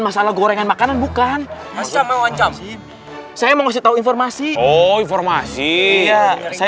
masalah gorengan makanan bukan masalah wancam saya mau kasih tahu informasi oh informasi saya